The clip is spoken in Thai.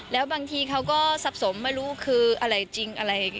แล้วบางทีเขาก็ซับสมไม่รู้คืออะไรจริงอะไร